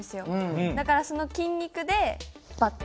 だからその筋肉でパッて。